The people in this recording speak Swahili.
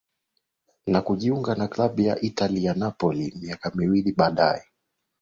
Na kujiunga na klabu ya Italia ya Napoli miaka miwili baadaye